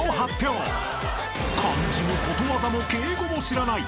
［漢字もことわざも敬語も知らない］